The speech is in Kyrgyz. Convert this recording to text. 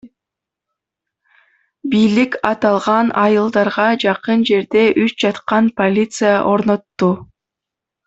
Бийлик аталган айылдарга жакын жерде үч жаткан полиция орнотту.